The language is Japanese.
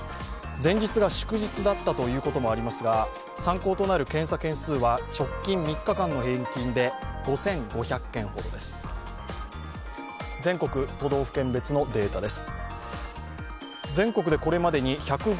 前日が祝日だったということもありますが参考となる検査件数は直近３日間の平均で５５００件ほどです。